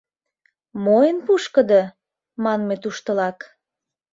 «Мо эн пушкыдо?» манме туштылак